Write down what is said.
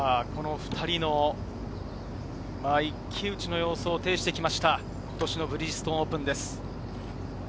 ２人の一騎打ちの様子を呈してきました、今年のブリヂストンオープンです。